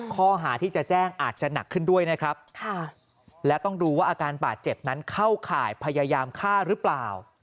ข้อหาที่จะแจ้งอาจจะหนักขึ้นด้วยนะครับและต้องดูว่าอาการบาดเจ็บนั้นเข้าข่ายพยายามฆ่าหรือเปล่า